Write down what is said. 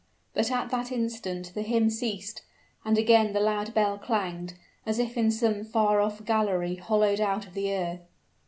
But at that instant the hymn ceased and again the loud bell clanged, as if in some far off gallery hollowed out of the earth.